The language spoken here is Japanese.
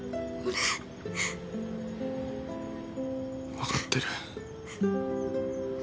分かってる。